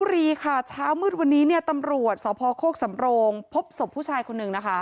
รีค่ะเช้ามืดวันนี้เนี่ยตำรวจสพโคกสำโรงพบศพผู้ชายคนหนึ่งนะคะ